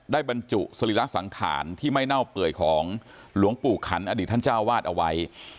บรรจุสรีระสังขารที่ไม่เน่าเปื่อยของหลวงปู่ขันอดีตท่านเจ้าวาดเอาไว้